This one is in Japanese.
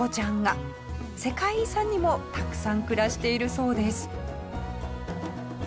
世界遺産にもたくさん暮らしているそうです。